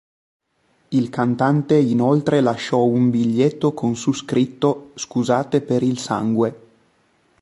Il cantante, inoltre lasciò un biglietto con su scritto: "scusate per il sangue".